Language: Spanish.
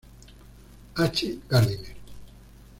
H. Gardiner.